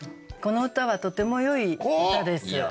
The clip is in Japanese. この歌はとてもよい歌です。